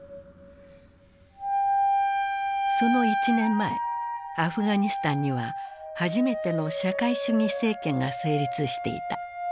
その１年前アフガニスタンには初めての社会主義政権が成立していた。